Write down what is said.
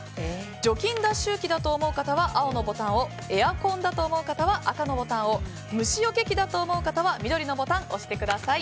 除菌脱臭機だと思う方は青のボタンをエアコンだと思う方は赤のボタンを虫よけ器だと思う方は緑のボタンを押してください。